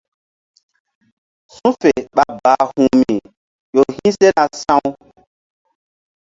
Su̧ fe ɓa bahu̧hmi ƴo hi̧ sena sa̧w.